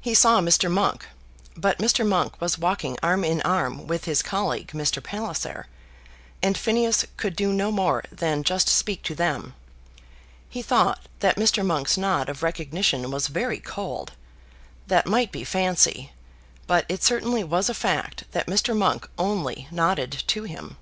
He saw Mr. Monk, but Mr. Monk was walking arm in arm with his colleague, Mr. Palliser, and Phineas could do no more than just speak to them. He thought that Mr. Monk's nod of recognition was very cold. That might be fancy, but it certainly was a fact that Mr. Monk only nodded to him.